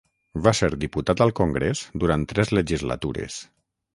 Va ser diputat al Congrés durant tres legislatures.